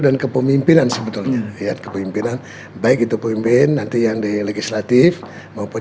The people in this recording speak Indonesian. dan kepemimpinan sebetulnya lihat kepemimpinan baik itu pemimpin nanti yang di legislatif maupun